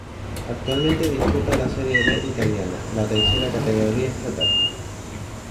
Actualmente disputa la Serie B italiana, la tercera categoría estatal.